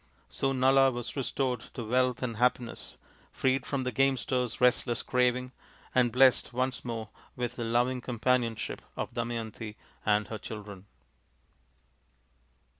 So Nala was restored to wealth and happiness, freed from the gamester's restless craving, and blessed once more with the loving companionship of Damayanti and her children.